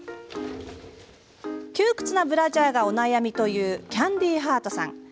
窮屈なブラジャーが悩みというキャンディーハートさん。